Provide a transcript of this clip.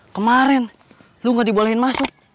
kemarin lu gak dibolehin masuk